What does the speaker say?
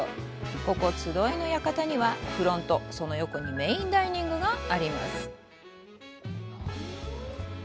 ここ集いの館にはフロントその横にメインダイニングがあります。